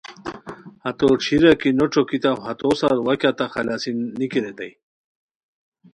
ہتو ݯھیرا کی نو ݯوکیتاؤ ہتوسار وا کیہ تہ خلاصی نیکی ریتائے